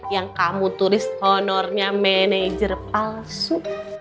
yang kamu turis honornya manajer palsu